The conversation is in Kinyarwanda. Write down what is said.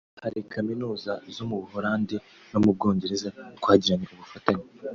Hari Kaminuza zo mu Buholandi no mu Bwongereza twagiranye ubufatanye